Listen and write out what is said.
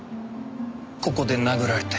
ここで殴られたよ。